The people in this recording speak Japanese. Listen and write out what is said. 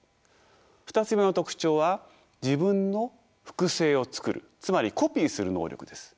２つ目の特徴は自分の複製を作るつまりコピーする能力です。